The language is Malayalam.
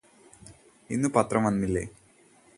ഇന്നു പത്രം വന്നില്ലേ